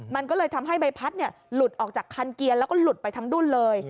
มันก็เลยทำให้ใบพัดหลุดออกจากคันเกียร์แล้วก็หลุดไปทั้งดุ้นเลย